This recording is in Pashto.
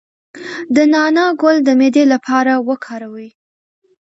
د نعناع ګل د معدې لپاره وکاروئ